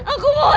aku mau bella